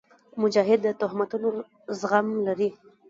مجاهد د تهمتونو زغم لري.